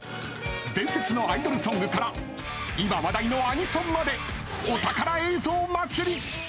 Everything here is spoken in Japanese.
伝説のアイドルソングから今、話題のアニソンまでお宝映像祭り！